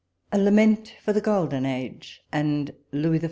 A LAMENT FOR THE GOLDEN AGE &P LOUIS XIV.